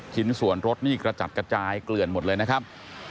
ชิ้นส่วนรถนี่กระจัดกระจายเกลื่อนหมดเลยนะครับ